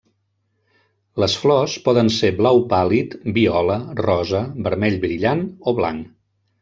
Les flors poden ser blau pàl·lid, viola, rosa, vermell brillant o blanc.